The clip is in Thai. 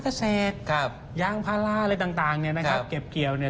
เกษตรครับยางพาราอะไรต่างต่างเนี่ยนะครับเก็บเกี่ยวเนี่ย